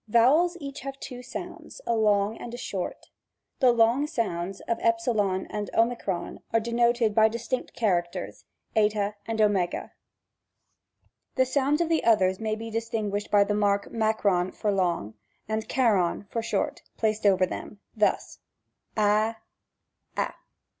Vowels have each two sounds, a long and a short. The long sounds of s and o are denoted by distinct charac ters, 1/ and <o. The sounds of the others may be distin guished by the mark () for long, and () for short, placed over them ; thus, a, a. §3.